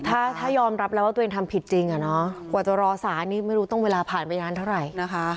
ถ้ายอมรับแล้วว่าตัวเองทำผิดจริงกว่าจะรอสารนี่ไม่รู้ต้องเวลาผ่านไปนานเท่าไหร่นะคะ